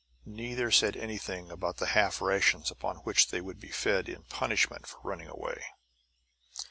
Neither said anything about the half rations upon which they would be fed in punishment for running away.